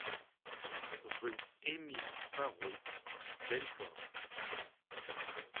Rue Émile Parrot, Belfort